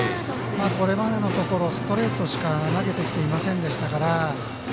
これまでのところストレートしか投げてきていませんでしたから。